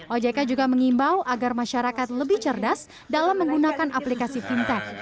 ojk juga mengimbau agar masyarakat lebih cerdas dalam menggunakan aplikasi fintech